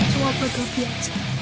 tua pegang pihak